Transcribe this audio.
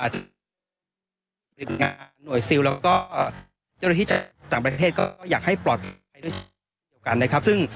ถึงมีหน่วยซิลและรฟที่จากต่างประเทศได้ต้องปลอดภัยด้วยทั้งเดียวกัน